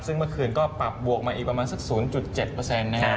ซึ่งเมื่อคืนก็ปรับบวกมาอีกประมาณสัก๐๗นะครับ